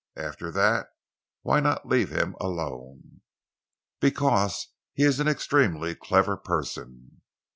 After that, why not leave him alone?" "Because he is an extremely clever person."